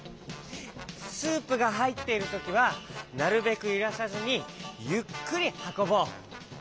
スープがはいっているときはなるべくゆらさずにゆっくりはこぼう。